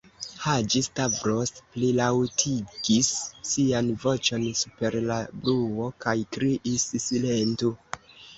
Haĝi-Stavros plilaŭtigis sian voĉon super la bruo kaj kriis: "Silentu!"